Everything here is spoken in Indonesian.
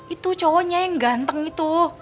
itu cowoknya yang ganteng itu